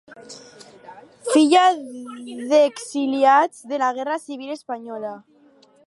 Filla d'exiliats de la guerra civil espanyola.